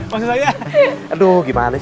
maksud saya aduh gimana nih